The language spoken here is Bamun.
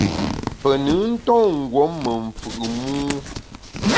Pe nùn nton ngùom me mfù’ mû.